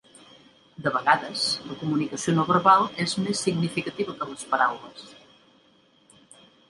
De vegades, la comunicació no verbal és més significativa que les paraules.